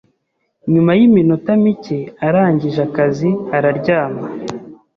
Nyuma yiminota mike arangije akazi, araryama.